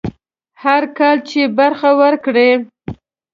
هر کال چې برخه ورکړي.